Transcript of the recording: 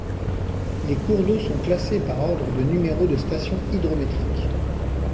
Les cours d'eau sont classés par ordre de numéro de station hydrométrique.